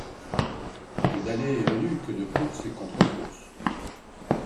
Que d’allées et venues, que de courses et contre-courses